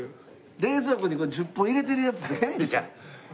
冷蔵庫に１０本入れてるヤツ変でしょ。